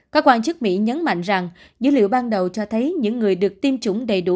các quan chức mỹ nhấn mạnh rằng dữ liệu ban đầu cho thấy những người được tiêm chủng đầy đủ